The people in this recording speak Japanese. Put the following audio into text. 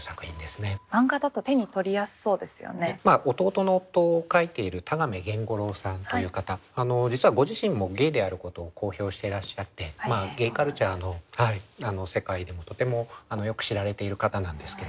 「弟の夫」を書いている田亀源五郎さんという方実はご自身もゲイであることを公表していらっしゃってゲイカルチャーの世界でもとてもよく知られている方なんですけれど。